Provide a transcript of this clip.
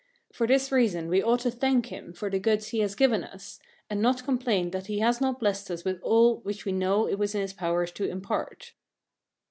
For this reason we ought to thank him for the goods he has given us, and not complain that he has not blessed us with all which we know it was in his power to impart.